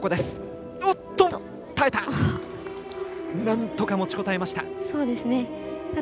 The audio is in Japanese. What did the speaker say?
なんとか持ちこたえました。